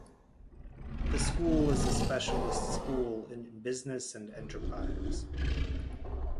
The school is a specialist school in Business and Enterprise.